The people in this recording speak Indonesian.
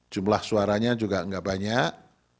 jumlah suaranya juga nggak banyak